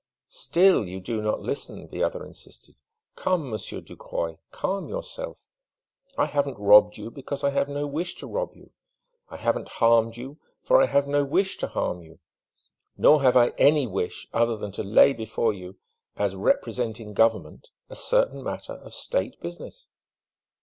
"Still you do not listen!" the other insisted. "Come, Monsieur Ducroy calm yourself. I have not robbed you, because I have no wish to rob you. I have not harmed you, for I have no wish to harm you. Nor have I any wish other than to lay before you, as representing Government, a certain matter of State business."